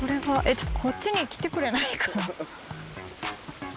ちょっとこっちに来てくれないかな